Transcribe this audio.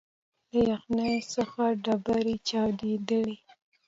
له یخنۍ څخه ډبري چاودېدلې